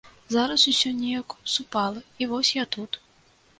Зараз усё неяк супала і вось я тут.